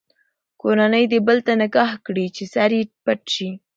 کورنۍ دې بل ته نکاح کړي چې سر یې پټ شي.